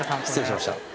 失礼しました。